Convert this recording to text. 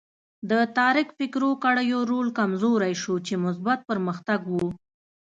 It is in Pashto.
د تاریک فکرو کړیو رول کمزوری شو چې مثبت پرمختګ و.